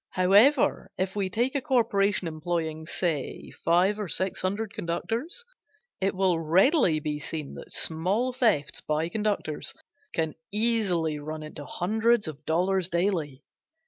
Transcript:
However, if we take a corporation employing say five or six hundred conductors, it will readily be seen that small thefts by conductors can easily run into hundreds of dollars daily.